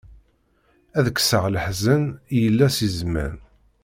Ad kkseɣ leḥzen, i yella si zzman.